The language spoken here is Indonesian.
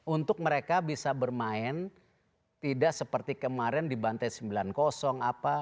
untuk mereka bisa bermain tidak seperti kemarin di bantai sembilan puluh apa